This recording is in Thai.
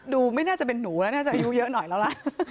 ไม่น่าจะเป็นหนูแล้วน่าจะอายุเยอะหน่อยแล้วล่ะ